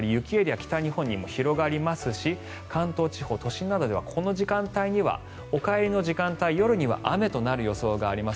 北日本にも広がりますし関東地方、都心などではこの時間帯にはお帰りの時間帯、夜には雨となる予想があります。